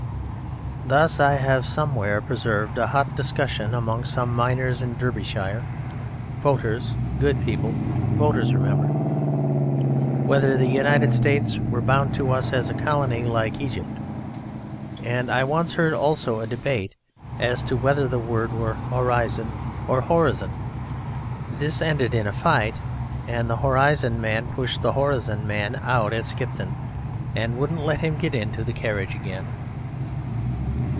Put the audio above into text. Thus I have somewhere preserved a hot discussion among some miners in Derbyshire (voters, good people, voters remember) whether the United States were bound to us as a colony "like Egypt." And I once heard also a debate as to whether the word were Horizon or Horizon; this ended in a fight; and the Horizon man pushed the Horizon man out at Skipton, and wouldn't let him get into the carriage again.